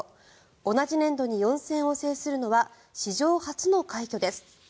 同じ年度に４戦を制するのは史上初の快挙です。